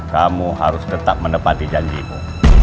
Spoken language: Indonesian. kamu harus tetap menepati janjimu